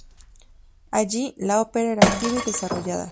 Allí, la ópera era activa y desarrollada.